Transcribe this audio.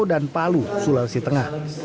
dan palu sulawesi tengah